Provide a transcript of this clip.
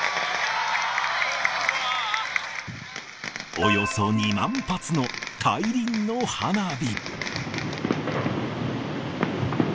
およそ２万発の大輪の花火。